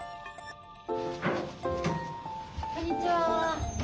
こんにちは。